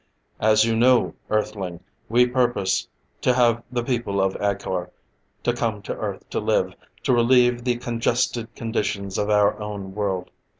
"As you know, Earthling, we purpose to have the people of Acor to come to Earth to live, to relieve the congested conditions of our own world.